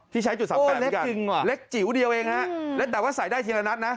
ที่ใช้จุด๓๘ด้วยกันเล็กจิ๋วเดียวเองฮะและแต่ว่าใส่ได้ทีละนัดนะ